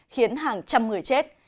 khiến hàng trăm người chết